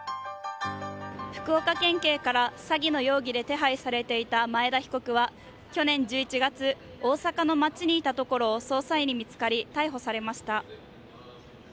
福岡県警から詐欺の容疑で手配されていた前田被告は去年１１月大阪の街にいたところを捜査員に見つかり逮捕されました。